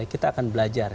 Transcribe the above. kita akan belajar